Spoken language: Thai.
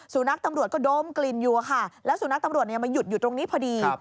สุนัขตำรวจก็ดมกลิ่นอยู่ค่ะแล้วสุนัขตำรวจมาหยุดอยู่ตรงนี้พอดี